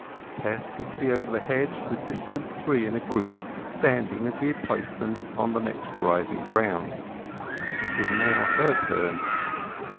Tess could see over the hedge the distant three in a group, standing as he had placed them on the next rising ground. It was now her turn.